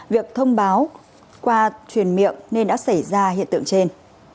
việc thông báo qua truyền miệng nên đã xảy ra hiện tượng trên